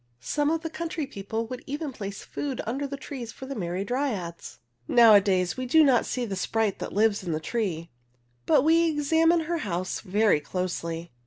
Some of the country people would even place food under the trees for the merry Dryads. Now a days we do not see the sprite that lives in the tree, but we exam ine her house very close ly.